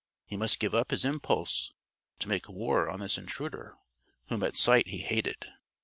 He must give up his impulse to make war on this intruder whom at sight he hated.